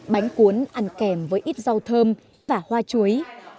bánh cuốn ăn kèm với ít rau thơm và hoa chuối